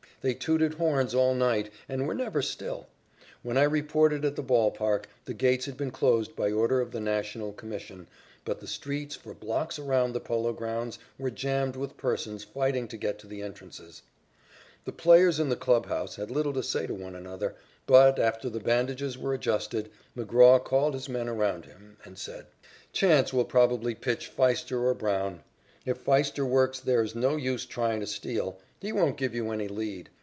They tooted horns all night, and were never still. When I reported at the ball park, the gates had been closed by order of the National Commission, but the streets for blocks around the Polo Grounds were jammed with persons fighting to get to the entrances. The players in the clubhouse had little to say to one another, but, after the bandages were adjusted, McGraw called his men around him and said: "Chance will probably pitch Pfiester or Brown. If Pfiester works there is no use trying to steal. He won't give you any lead.